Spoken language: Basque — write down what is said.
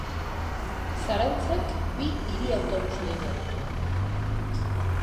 Zarautzek bi hiri-autobus linea ditu.